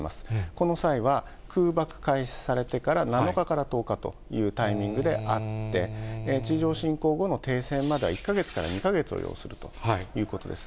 この際は、空爆開始されてから７日から１０日というタイミングであって、地上侵攻後の停戦までは１か月から２か月を要するということです。